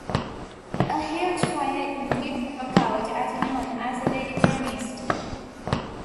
A huge fire indeed broke out at noon as the lady promised.